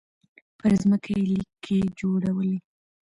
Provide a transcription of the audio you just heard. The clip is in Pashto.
پر ځمکه يې ليکې جوړولې.